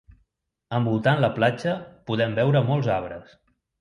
Envoltant la platja, podem veure molts arbres.